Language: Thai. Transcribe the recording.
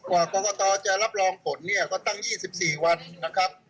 กว่ากรกตจะรับรองผลเนี่ยก็ตั้ง๒๔วันนะครับ